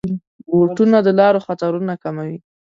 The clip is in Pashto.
بوټونه د لارو خطرونه کموي.